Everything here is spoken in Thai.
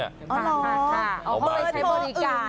เอาข้ามาครับเค้าไม่ใช้บริการ